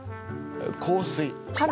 「香水」。